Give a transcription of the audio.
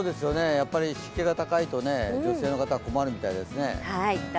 湿気が高いと、女性の方は困るみたいですね。